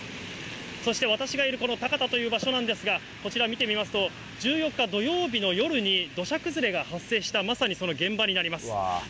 そして私がいるこの田方という場所なんですが、こちら見てみますと、１４日土曜日の夜に土砂崩れが発生した、まさにその現場になります。